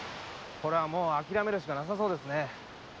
これはもうあきらめるしかなさそうですね。